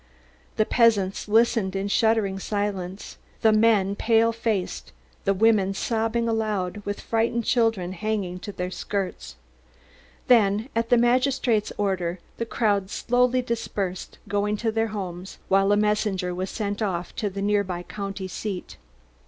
The peasants listened in shuddering silence, the men pale faced, the women sobbing aloud with frightened children hanging to their skirts. Then at the magistrate's order, the crowd dispersed slowly, going to their homes, while a messenger set off to the near by county seat.